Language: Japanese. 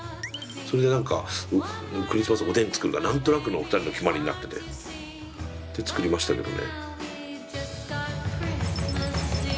それで何かクリスマスはおでん作るのが何となくの２人の決まりになっててで作りましたけどね。